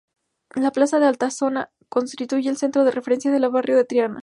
La plaza del Altozano constituye el centro de referencia del barrio de Triana.